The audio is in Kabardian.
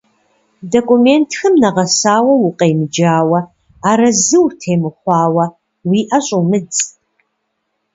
Документхэм нэгъэсауэ укъемыджауэ, арэзы утемыхъуауэ, уи ӏэ щӏумыдз.